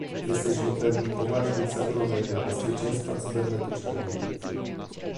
Jesteśmy pewni poważnych zagrożeń dla bezpieczeństwa cybernetycznego